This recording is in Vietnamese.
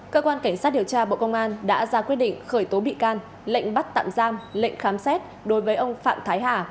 cơ quan cảnh sát điều tra bộ công an đã ra quyết định khởi tố bị can lệnh bắt tạm giam lệnh khám xét đối với ông phạm thái hà